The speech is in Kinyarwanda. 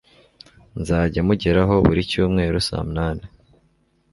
Nzajya mugeraho buri cyumweru sa munani